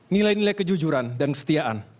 nilai nilai kejujuran dan kesetiaan